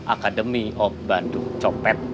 akademi ok bandung copet